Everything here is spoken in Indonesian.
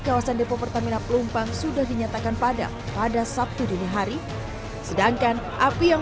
kawasan depo pertamina pelumpang sudah dinyatakan padam pada sabtu dini hari sedangkan api yang